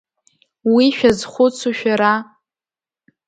Уи шәазхәыцу шәара?